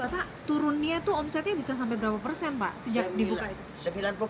pak turunnya tuh omsetnya bisa sampai berapa persen pak